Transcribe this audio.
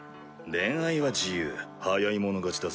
恋愛は自由早い者勝ちだぜ。